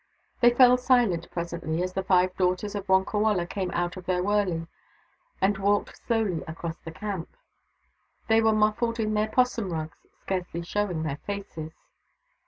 They fell silent, presently, as the five daughters of Wonkawala came out of their wurley and walked slowly across the camp. They were muffled in their 'possum rugs, scarcely showing their faces.